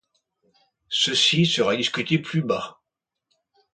Ceci sera discuté plus bas.